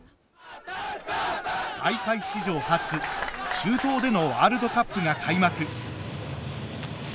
大会史上初中東でのワールドカップが開幕。